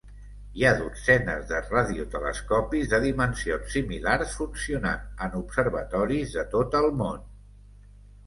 Hi ha dotzenes de radiotelescopis de dimensions similars funcionant en observatoris de tot el món.